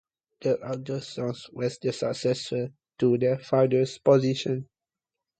The eldest son was the successor to their father's position.